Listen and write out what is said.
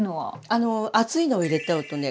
あの熱いのを入れちゃうとね